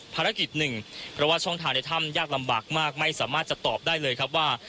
ภารกิจหนึ่งเพราะว่าช่องทางในถ้ำยากลำบากมากไม่สามารถจะตอบได้เลยครับว่า